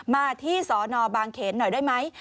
มาที่สนบางเขนหน่อยได้ไหม